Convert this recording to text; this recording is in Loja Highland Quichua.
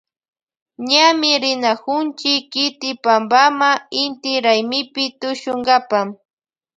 Ñami rinakunchi kiti pampama inti raymipi tushunkapa.